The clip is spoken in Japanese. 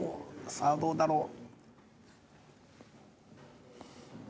さあどうだろう。